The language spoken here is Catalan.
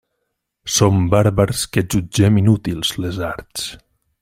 Som bàrbars que jutgem inútils les arts.